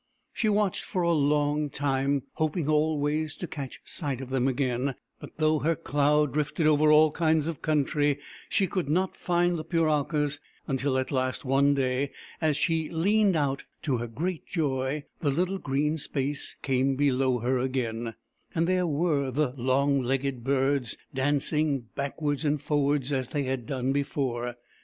She watched for a long time, hoping always to THE EMU WHO WOULD DANCE 69 catch sight of them again ; but though her cloud drifted over all kinds of country, she could not find the Puralkas until at last, one day, as she leaned out, to her great joy the little green space came below her again ; and there were the long legged birds, dancing backwards and forwards as they had done before.